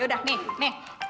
ya udah nih nih